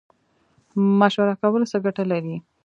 مشوره کول څه ګټه لري؟